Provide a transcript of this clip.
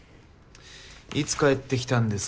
いつ帰ってきたんですか？